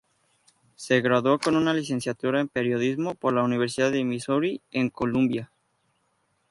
Se graduó con un licenciatura en periodismo por la Universidad de Missouri en Columbia.